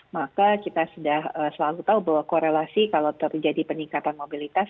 maka kita sudah selalu tahu bahwa korelasi kalau terjadi peningkatan mobilitas